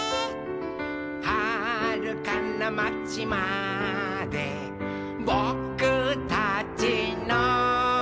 「はるかなまちまでぼくたちの」